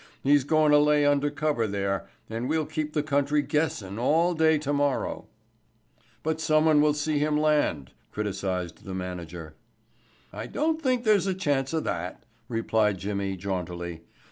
He's going to lay under cover there, and we'll keep the country guessin' all day tomorrow." "But someone will see him land," criticized the manager. "I don't think there's a chance of that," replied Jimmy jauntily.